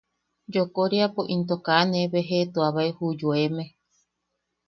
Yokoriapo into kaa nee bejeʼetuabae ju yoeme.